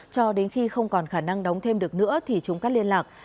cho đến khi không còn khả năng đóng thêm được nữa thì chúng cắt liên lạc